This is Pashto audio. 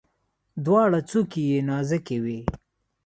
دواړه څوکي یې نازکې وي.